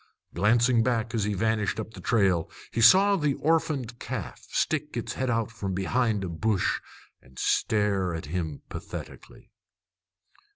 Glancing back as he vanished up the trail, he saw the orphaned calf stick its head out from behind a bush and stare after him pathetically.